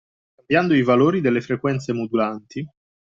Cambiando i valori delle frequenze modulanti